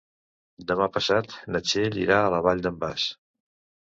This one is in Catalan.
Demà passat na Txell irà a la Vall d'en Bas.